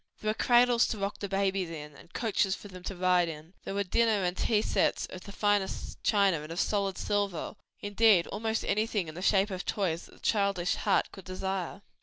There were cradles to rock the babies in, and coaches for them to ride in; there were dinner and tea sets of the finest china and of solid silver; indeed almost everything in the shape of toys that the childish heart could desire.